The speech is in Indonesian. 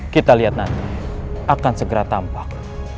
kita lihat nanti akan segera tampak